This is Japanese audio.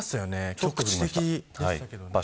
局地的でしたけどね。